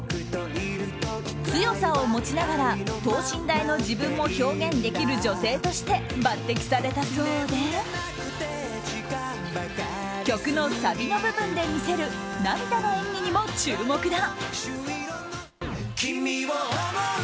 強さを持ちながら等身大の自分も表現できる女性として抜擢されたそうで曲のサビの部分で見せる涙の演技にも注目だ。